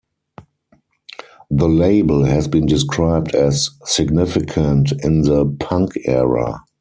The label has been described as "significant" in the "punk era".